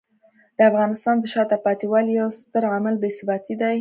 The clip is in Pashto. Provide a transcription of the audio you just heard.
د افغانستان د شاته پاتې والي یو ستر عامل بې ثباتي دی.